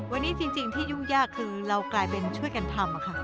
วันนี้ที่ยุ่งยากคือเราเป็นช่วยกันทำ